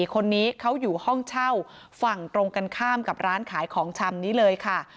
คนนี้เขาอยู่ห้องเช่าฝั่งตรงกันข้ามกับร้านขายของชำนี้เลยค่ะ